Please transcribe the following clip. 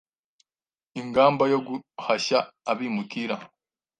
ingamba yo guhashya abimukira